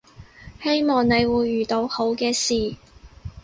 希望你會遇到好嘅事